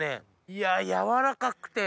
いや軟らかくて。